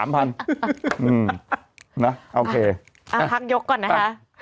พักยกก่อนนะฮะ